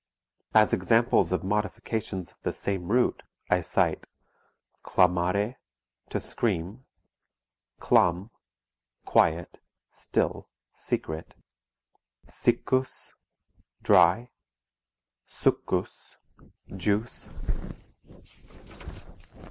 As examples of modifications of the same root, I cite: clamare to scream, clam quiet, still, secret; siccus dry, succus juice.